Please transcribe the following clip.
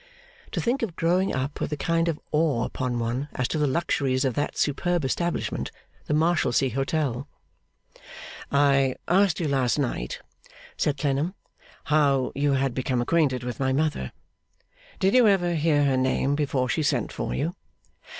To think of growing up with a kind of awe upon one as to the luxuries of that superb establishment, the Marshalsea Hotel! 'I asked you last night,' said Clennam, 'how you had become acquainted with my mother. Did you ever hear her name before she sent for you?